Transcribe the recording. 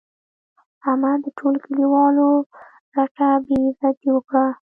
احمد د ټولو کلیوالو رټه بې عزتي وکړه.